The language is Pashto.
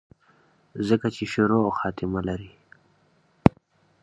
ځکه چې شورو او خاتمه لري